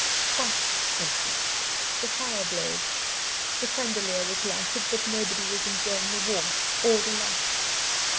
Quite empty. The fire blazed, the chandelier was lighted, but nobody was enjoying the warmth or the light.